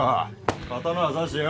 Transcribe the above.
刀ぁ差してよ